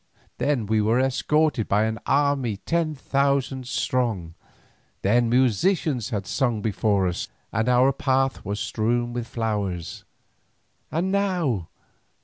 Then we were escorted by an army ten thousand strong, then musicians had sung before us and our path was strewn with flowers. And now!